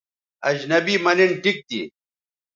اجنبی مہ نِن ٹھیک تھی